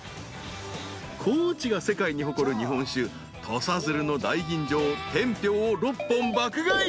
［高知が世界に誇る日本酒土佐鶴の大吟醸天平を６本爆買い］